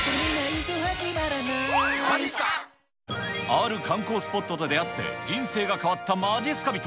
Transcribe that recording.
ある観光スポットと出会って、人生が変わったまじっすか人。